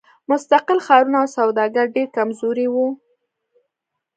مستقل ښارونه او سوداګر ډېر کمزوري وو.